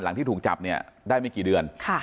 ที่ถูกจับเนี่ยได้ไม่กี่เดือน